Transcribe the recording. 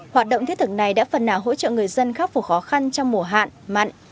hoạt động thiết thực này đã phần nào hỗ trợ người dân khắc phục khó khăn trong mùa hạn mặn